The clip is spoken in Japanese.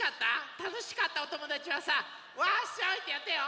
たのしかったおともだちはさ「ワッショイ」ってやってよ！